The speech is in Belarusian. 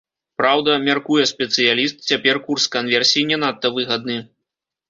Праўда, мяркуе спецыяліст, цяпер курс канверсіі не надта выгадны.